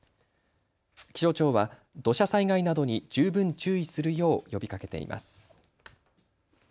気象庁は土砂災害などに十分注意するよう呼びかけています。